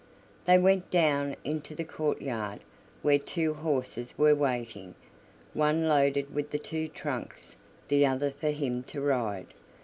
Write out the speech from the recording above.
They went down into the courtyard, where two horses were waiting, one loaded with the two trunks, the other for him to ride.